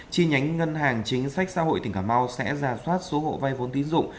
chi nhánh ngân hàng chính sách xã hội tỉnh cà mau sẽ ra soát số hộ vay vốn tín dụng